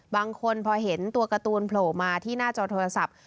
บางคนพอเห็นตัวการ์ตูนโผล่มาที่หน้าจอโทรศัพท์